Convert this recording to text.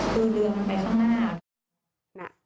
คือเรื่องมันไปข้างหน้า